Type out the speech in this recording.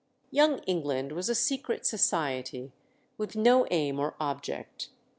"Young England" was a secret society, with no aim or object.